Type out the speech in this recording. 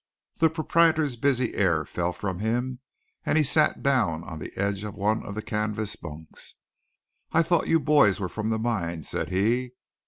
The proprietor's busy air fell from him; and he sat down on the edge of one of the canvas bunks. "I thought you boys were from the mines," said he.